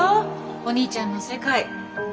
お兄ちゃんの世界。